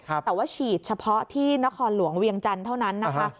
แต่ว่าฉีดเฉพาะที่นครหลวงเวียงจันทร์เท่านั้นนะคะ